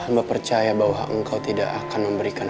mbak percaya bahwa engkau tidak akan memberikan